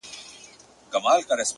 • جهاني له دې مالته مرور دي قسمتونه ,